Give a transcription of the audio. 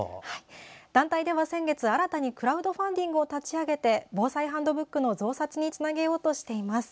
団体では先月、新たにクラウドファンディングを立ち上げて防災ハンドブックの増刷につなげようとしています。